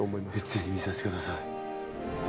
ぜひ見させて下さい。